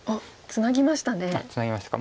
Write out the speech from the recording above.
ツナぎましたか。